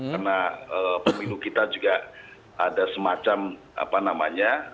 karena pemilu kita juga ada semacam apa namanya